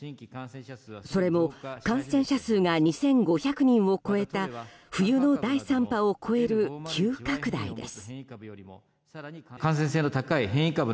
それも感染者数が２５００人を超えた冬の第３波を超える急拡大です。